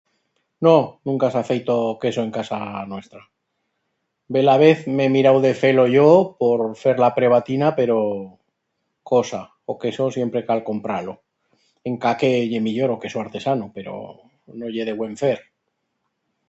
No, nunca s'ha feito queso en casa nuestra. Bela vez m'he mirau de fer-lo yo por fer la prebatina pero cosa. O queso siempre cal comprar-lo. Encara que ye millor o queso artesano, pero no ye de buen fer.